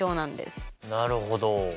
なるほど。